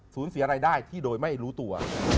เสียรายได้ที่โดยไม่รู้ตัว